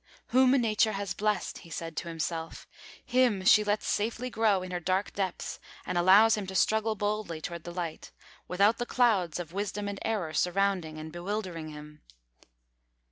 'Whom Nature has blessed,' he said to himself, 'him she lets safely grow in her dark depths and allows him to struggle boldly toward the light, without the clouds of Wisdom and Error surrounding and bewildering him.'"